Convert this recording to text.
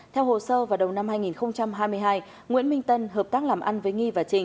theo hồ sơ vào đầu năm hai nghìn hai mươi hai nguyễn minh tân hợp tác làm ăn với nghi và trình